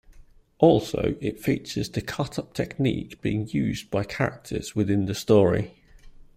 Also, it features the cut-up technique being used by characters within the story.